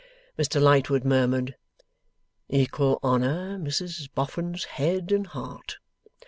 Mr Lightwood murmured 'Equal honour Mrs Boffin's head and heart.